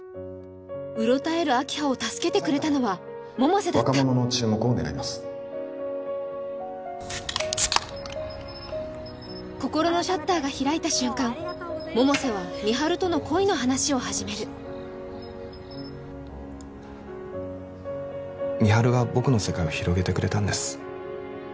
うろたえる明葉を助けてくれたのは百瀬だった心のシャッターが開いた瞬間百瀬は美晴との恋の話を始める美晴が僕の世界を広げてくれたんです